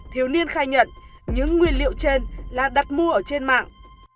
thiếu niên khai nhận những nguyên liệu trên là đặt mua ở trên mạng